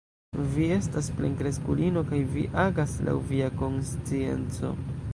Vi estas plenkreskulino kaj vi agas laŭ via konscienco.